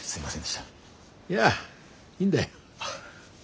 いやいいんだよ。